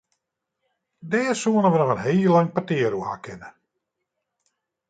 Dêr soenen we noch in heel lang petear oer ha kinne.